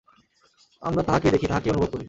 আমরা তাঁহাকেই দেখি, তাঁহাকেই অনুভব করি।